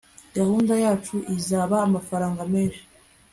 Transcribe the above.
gahunda yacu izasaba amafaranga menshi